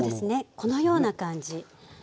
このような感じ。